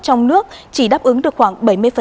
trong nước chỉ đáp ứng được khoảng bảy mươi